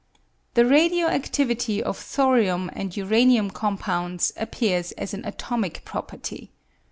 The radio adivity of thorium and uranium compounds appears as an atomic property.